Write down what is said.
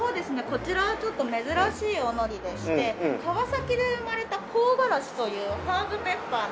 こちらはちょっと珍しいお海苔でして川崎で生まれた香辛子というハーブペッパーの。